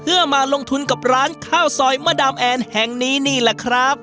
เพื่อมาลงทุนกับร้านข้าวซอยมะดามแอนแห่งนี้นี่แหละครับ